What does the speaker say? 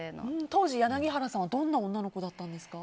当時、柳原さんはどんな女の子だったんですか？